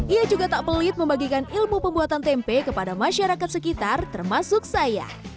ia juga tak pelit membagikan ilmu pembuatan tempe kepada masyarakat sekitar termasuk saya